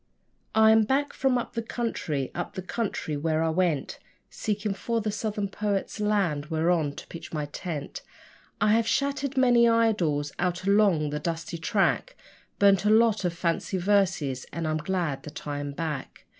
I am back from up the country, up the country where I went Seeking for the Southern poets' land whereon to pitch my tent; I have shattered many idols out along the dusty track, Burnt a lot of fancy verses and I'm glad that I am back.